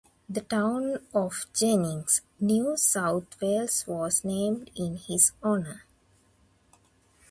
The town of Jennings, New South Wales was named in his honour.